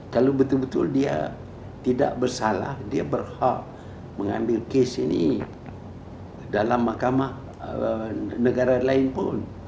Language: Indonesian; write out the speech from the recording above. kalau betul betul dia tidak bersalah dia berhak mengambil case ini dalam mahkamah negara lain pun